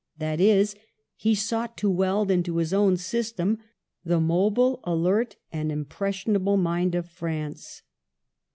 That is, he sought to weld into his own system the mobile, alert, and impressionable mind of France.